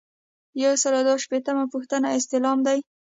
یو سل او دوه شپیتمه پوښتنه استعلام دی.